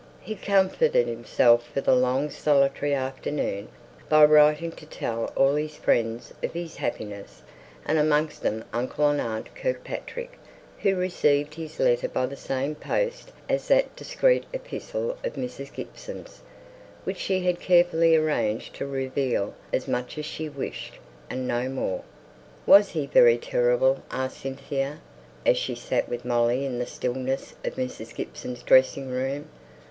He comforted himself for the long solitary afternoon by writing to tell all his friends of his happiness, and amongst them uncle and aunt Kirkpatrick, who received his letter by the same post as that discreet epistle of Mrs. Gibson's, which she had carefully arranged to reveal as much as she wished, and no more. "Was he very terrible?" asked Cynthia, as she sate with Molly in the stillness of Mrs. Gibson's dressing room.